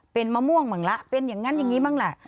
เป็นมะม่วงบ้างละเป็นอย่างนั้นอย่างนี้บ้างล่ะ